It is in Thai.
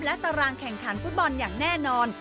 และตารางแข่งขันฟุตบอลอย่างแน่นอน